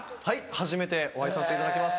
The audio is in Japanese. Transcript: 初めてお会いさせていただきます